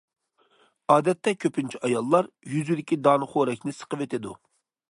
ئادەتتە كۆپىنچە ئاياللار يۈزىدىكى دانىخورەكنى سىقىۋېتىدۇ.